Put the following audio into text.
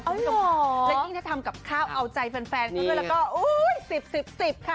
เช่นที่ถ้าทำกับข้าวเอาใจแฟนด้วยแล้วก็๑๐๑๐ค่ะ